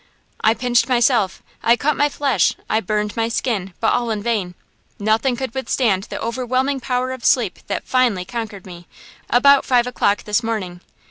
"I pinched myself, I cut my flesh, I burned my skin, but all in vain. Nothing could withstand the overwhelming power of sleep that finally conquered me, about five o'clock this morning.